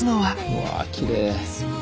うわきれい！